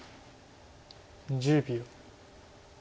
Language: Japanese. １０秒。